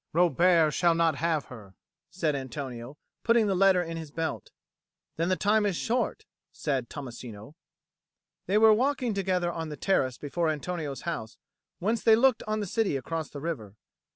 "Robert shall not have her," said Antonio, putting the letter in his belt. "Then the time is short," said Tommasino. They were walking together on the terrace before Antonio's house, whence they looked on the city across the river.